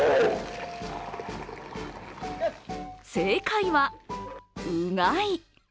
正解は、うがい。